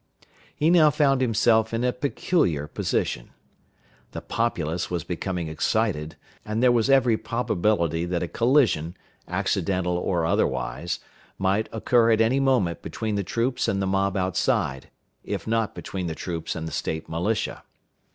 He now found himself in a peculiar position. The populace were becoming excited, and there was every probability that a collision, accidental or otherwise, might occur at any moment between the troops and the mob outside, if not between the troops and the State militia.